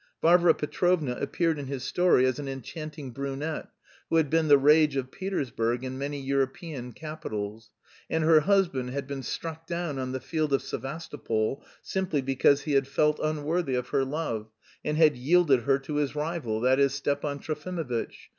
Varvara Petrovna appeared in his story as an enchanting brunette (who had been the rage of Petersburg and many European capitals) and her husband "had been struck down on the field of Sevastopol" simply because he had felt unworthy of her love, and had yielded her to his rival, that is, Stepan Trofimovitch....